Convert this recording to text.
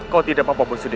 kau tidak apa apa mbak sudwi